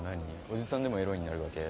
おじさんでもエロいになるわけ？